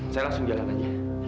saya langsung jalan aja